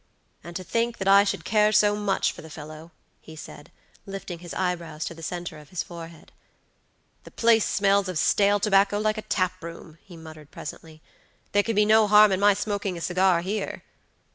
"And to think that I should care so much for the fellow!" he said, lifting his eyebrows to the center of his forehead. "The place smells of stale tobacco like a tap room," he muttered presently; "there can be no harm in my smoking a cigar here."